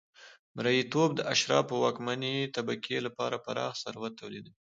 مریتوب د اشرافو او واکمنې طبقې لپاره پراخ ثروت تولیدوي